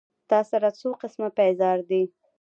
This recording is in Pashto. تا سره څو قسمه پېزار دي